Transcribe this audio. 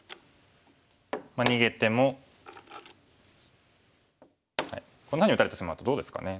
逃げてもこんなふうに打たれてしまうとどうですかね。